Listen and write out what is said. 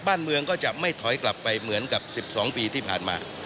บ้านเมืองก็จะไม่ถอยกลับไปเหมือนกับ๑๒ปีที่ผ่านมา